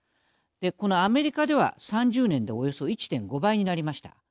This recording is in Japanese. このアメリカでは３０年でおよそ１．５倍になりました。